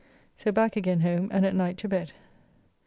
So back again home and at night to bed.